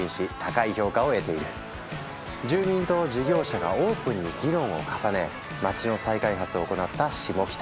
住民と事業者がオープンに議論を重ね街の再開発を行ったシモキタ。